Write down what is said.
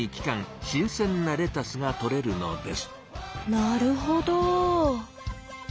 なるほど。